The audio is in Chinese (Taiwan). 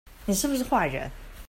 你是不是壞人